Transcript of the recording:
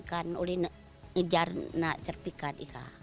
kan oleh ngejar nak sertifikat